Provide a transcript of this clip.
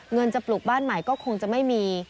เงินจะปลูกบ้านใหม่ก็คงจะไม่มี